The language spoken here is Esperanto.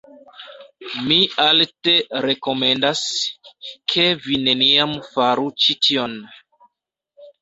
Mi alte rekomendas... ke vi neniam faru ĉi tion.